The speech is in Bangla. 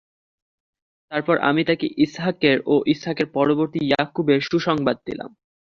তারপর আমি তাকে ইসহাকের ও ইসহাকের পরবর্তী ইয়াকুবের সুসংবাদ দিলাম।